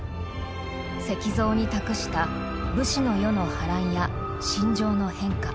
石像に託した武士の世の波乱や心情の変化。